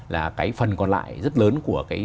là cái phần còn lại rất lớn của